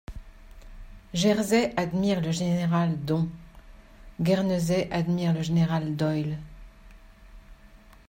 Jersey admire le général Don ; Guernesey admire le général Doyle.